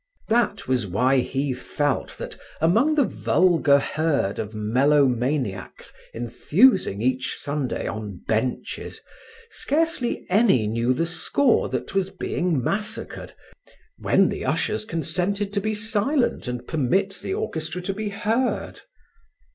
That was why he felt that, among the vulgar herd of melomaniacs enthusing each Sunday on benches, scarcely any knew the score that was being massacred, when the ushers consented to be silent and permit the orchestra to be heard.